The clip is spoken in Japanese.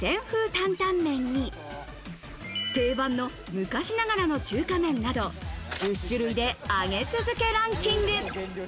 担々麺に、定番の「昔ながらの中華麺」など１０種類で上げ続けランキング。